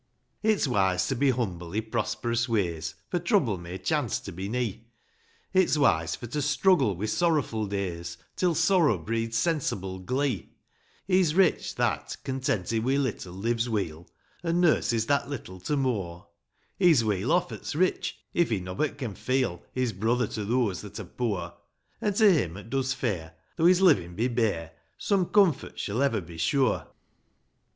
III. It's wise to be humble i' prosperous ways, For trouble may chance to be nee ;^ It's wise for to struggle wi' sorrowful days, Till sorrow breeds sensible glee ; He's rich that, contented wi' little, lives weal, An' nurses that little to moor ; He's weel off 'at's rich, if he nobbut can feel He's brother to thoose that are poor ; An' to him 'at does fair. Though his livin' be bare, Some comfort shall ever be sure.